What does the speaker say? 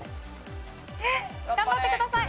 えっ？頑張ってください！